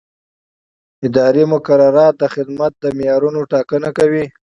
اداري مقررات د خدمت د معیارونو ټاکنه کوي.